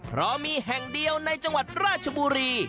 เพราะมีแห่งเดียวในจังหวัดราชบุรี